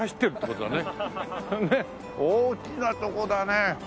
大きなとこだね。